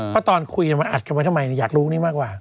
เพราะตอนคุยมันอัดกันไว้ทำไมอยากรู้นี่มากกว่า